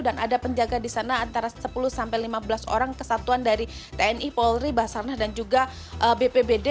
dan ada penjaga di sana antara sepuluh sampai lima belas orang kesatuan dari tni polri basarnah dan juga bpbd